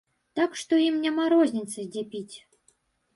Так што ім няма розніцы, дзе піць.